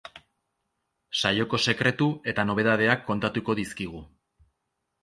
Saioko sekretu eta nobedadeak kontatuko dizkigu.